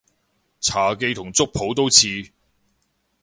茶記同粥舖都似